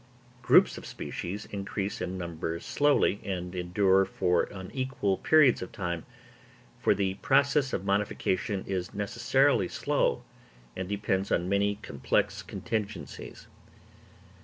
Groups of species increase in numbers slowly, and endure for unequal periods of time; for the process of modification is necessarily slow, and depends on many complex contingencies.